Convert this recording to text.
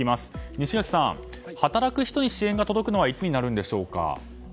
西垣さん、働く人に支援が届くのはいつになるんでしょうか。